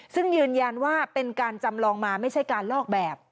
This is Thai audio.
ซึ่งยืนยันว่าเป็นการจำลองมาไม่ใช่การลอกแบบ